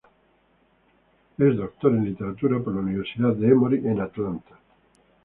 Es Doctor en Literatura por la Universidad de Emory en Atlanta.